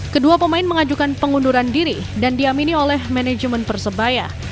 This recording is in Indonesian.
kedua pemain mengajukan pengunduran diri dan diamini oleh manajemen persebaya